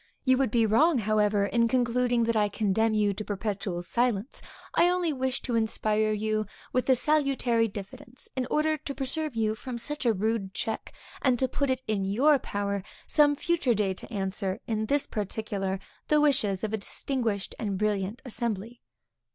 You would be wrong, however, in concluding, that I condemn you to perpetual silence; I only wish to inspire you with a salutary diffidence, in order to preserve you from such a rude check, and to put it in your power some future day to answer, in this particular, the wishes of a distinguished and brilliant assembly.